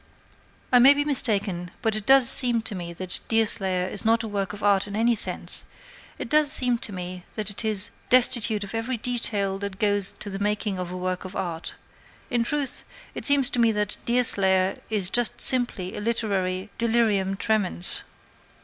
I may be mistaken, but it does seem to me that Deerslayer is not a work of art in any sense; it does seem to me that it is destitute of every detail that goes to the making of a work of art; in truth, it seems to me that Deerslayer is just simply a literary delirium tremens.